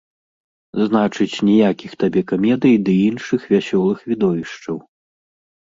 Значыць, ніякіх табе камедый ды іншых вясёлых відовішчаў.